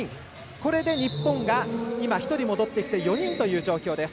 これで日本が今、１人戻ってきて４人という状況です。